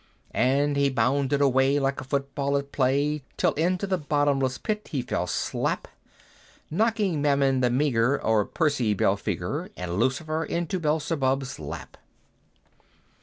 And he bounded away like a foot ball at play, Till into the bottomless pit he fell slap, Knocking Mammon the meagre o'er pursy Belphegor, And Lucifer into Beëlzebub's lap.